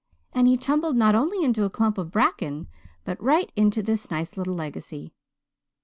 And he tumbled not only into a clump of bracken, but right into this nice little legacy.